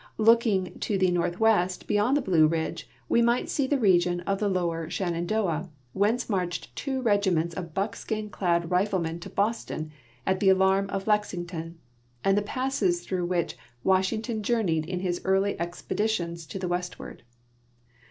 Looking to the northwest, beyond tbe Blue Ridge, we might see the region of the lower Shenandoah, wbencc marched two regiments of buckskin clad riflemen to Poston at the alarm of Lexington, and the passes tbrougb which Wash ington journeyed in bis early expedition to tbe westward.